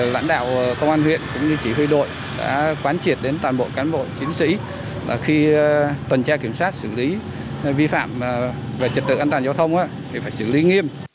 lãnh đạo công an huyện cũng như chỉ huy đội đã quán triệt đến toàn bộ cán bộ chiến sĩ khi tuần tra kiểm soát xử lý vi phạm về trật tự an toàn giao thông thì phải xử lý nghiêm